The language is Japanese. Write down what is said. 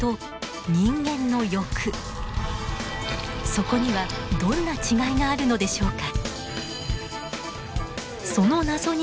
そこにはどんな違いがあるのでしょうか。